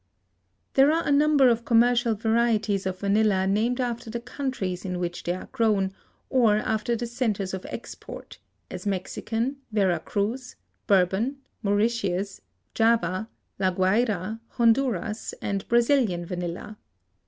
There are a number of commercial varieties of vanilla named after the countries in which they are grown or after the centers of export, as Mexican, Vera Cruz, Bourbon, Mauritius, Java, La Guayra, Honduras and Brazilian vanilla.